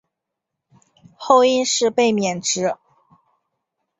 后因事被免职。